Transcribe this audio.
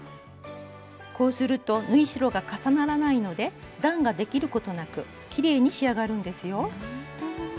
こうすると縫い代が重ならないので段ができることなくきれいに仕上がるんですよ。